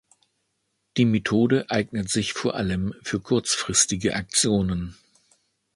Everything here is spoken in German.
Die Methode eignet sich vor allem für kurzfristige Aktionen.